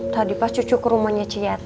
tadi pas cucu ke rumahnya ci yati